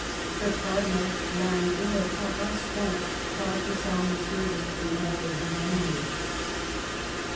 The Cardinal, lying ill at Tarascon, caused a solemn service to be held in her memory.